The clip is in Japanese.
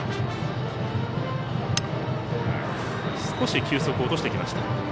少し球速、落としてきました。